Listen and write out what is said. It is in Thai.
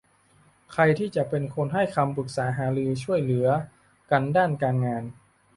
ใครที่จะเป็นคนให้คำปรึกษาหารือช่วยเหลือกันด้านการงาน